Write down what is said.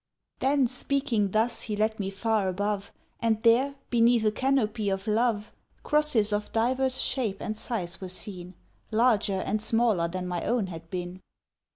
Then, speaking thus, he led me far above, And there, beneath a canopy of love, Grosses of divers shape and size were seen, Larger and smaller than my own had been.